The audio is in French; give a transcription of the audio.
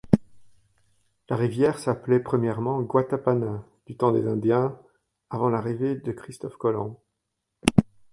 La rivière s'appelait premièrement Guatapana du temps des indiens avant l'arrivée de Christophe Colomb.